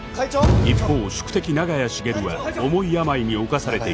一方宿敵長屋茂は重い病に侵されていた